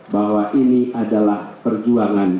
bahwa ini adalah perjuangan